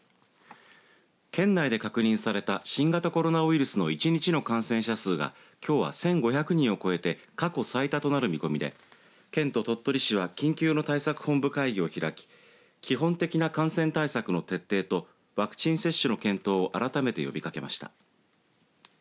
県内で確認された新型コロナウイルスの１日の感染者数がきょうは１５００人を超えて過去最多となる見込みで県と鳥取市は緊急の対策本部会議を開き基本的な感染対策の徹底とワクチン接種の検討を改めて呼びかけました。